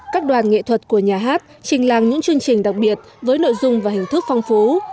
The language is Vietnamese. các đoàn nghệ thuật của nhà hát trình làng những chương trình đặc biệt với nội dung và hình thức phong phú